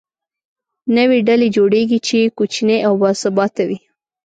نوې ډلې جوړېږي، چې کوچنۍ او باثباته وي.